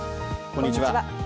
こんにちは。